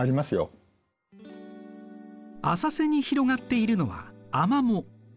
浅瀬に広がっているのはアマモ。